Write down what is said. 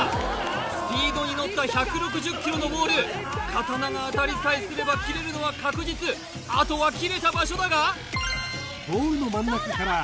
スピードに乗った１６０キロのボール刀が当たりさえすれば斬れるのは確実あとは斬れた場所だがボールの真ん中から上下１ｃｍの